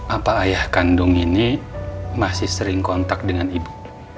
apa ayah kandung ini masih sering kontak dengan ibu